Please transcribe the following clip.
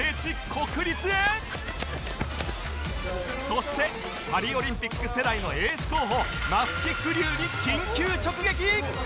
そしてパリオリンピック世代のエース候補松木玖生に緊急直撃